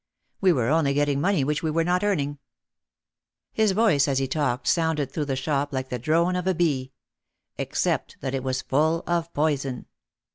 We were only getting money which we were not earning. His voice as he talked sounded through the shop like the drone of a bee — except that it was full of poison.